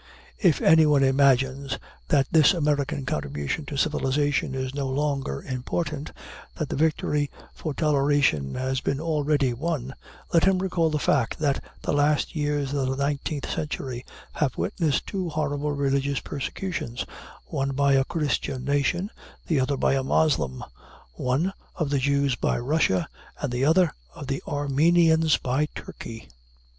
If anyone imagines that this American contribution to civilization is no longer important, that the victory for toleration has been already won, let him recall the fact that the last years of the nineteenth century have witnessed two horrible religious persecutions, one by a Christian nation, the other by a Moslem one, of the Jews by Russia, and the other, of the Armenians by Turkey.